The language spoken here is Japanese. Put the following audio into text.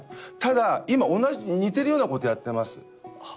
ただ今似てるようなことやってます